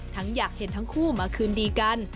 อยากเห็นทั้งคู่มาคืนดีกัน